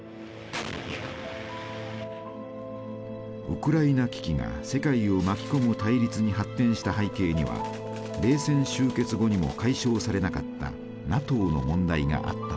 ウクライナ危機が世界を巻き込む対立に発展した背景には冷戦終結後にも解消されなかったＮＡＴＯの問題があったのです。